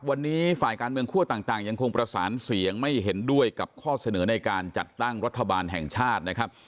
วันนี้ฝ่ายการเมืองคั่วต่างยังคงประสานเสียงไม่เห็นด้วยกับข้อเสนอในการจัดตั้งรัฐบาลแห่งชาตินะครับ